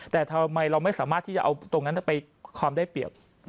แต่ทำไมเราไม่สามารถที่จะเอาตรงนั้นไปความได้เปรียบ